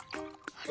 あれ？